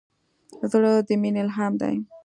زړه د مینې الهام دی.